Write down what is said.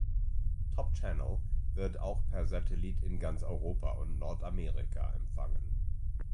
Top Channel wird auch per Satellit in ganz Europa und Nordamerika empfangen.